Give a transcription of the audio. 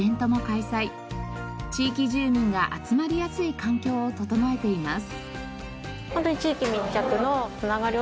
地域住民が集まりやすい環境を整えています。